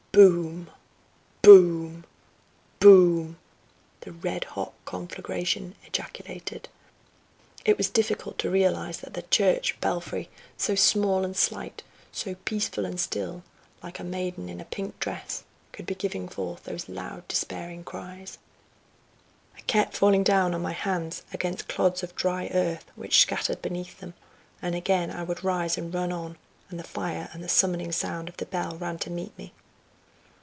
"Boom! boom! boom!" the red hot conflagration ejaculated. And it was difficult to realize that the church belfry, so small and slight, so peaceful and still, like a maiden in a pink dress, could be giving forth those loud, despairing cries. I kept falling down on my hands against clods of dry earth, which scattered beneath them, and again I would rise and run on, and the fire and the summoning sound of the bell ran to meet me.